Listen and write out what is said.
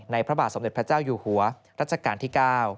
ในพระบาตสวัสดิภพเจ้าอยู่หัวรัชกาลที่๙